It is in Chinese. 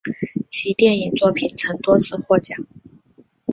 其电影作品曾多次获奖。